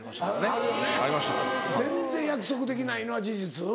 あるよね全然約束できないのは事実。